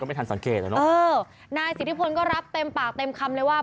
ไม่ทันสังเกตอ่ะเนอะเออนายสิทธิพลก็รับเต็มปากเต็มคำเลยว่า